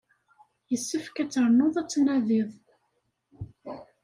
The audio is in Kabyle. Yessefk ad ternuḍ ad tnadiḍ.